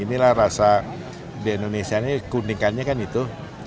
inilah rasa di indonesia ini kuningannya kan itu